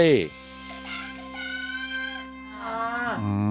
อ้าว